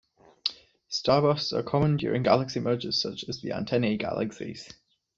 Starbursts are common during galaxy mergers such as the Antennae Galaxies.